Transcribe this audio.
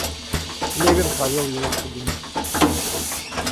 Левин провел его в кабинет.